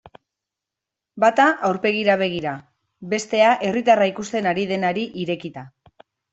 Bata aurpegira begira, bestea herritarra ikusten ari denari irekita.